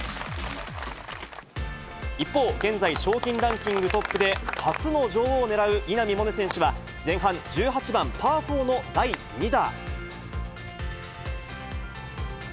一方、現在、賞金ランキングトップで初の女王を狙う稲見萌寧選手は、前半１８番パー４の第２打。